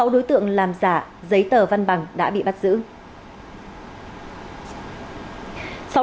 sáu đối tượng làm giả giấy tờ văn bằng đã bị bắt giữ